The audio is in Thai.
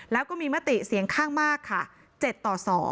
แล้วก็มีมติเสียงข้างมากค่ะ๗ต่อ๒